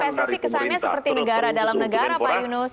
karena selama ini pssi kesannya seperti negara dalam negara pak yunus